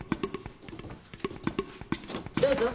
どうぞ。